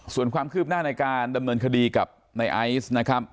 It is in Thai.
ส่วนความคืบหน้าในการดำเนินคดีกับในไอซ์นะครับ